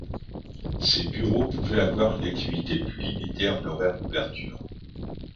Ces bureaux pouvaient avoir une activité plus limitée en horaire d'ouverture.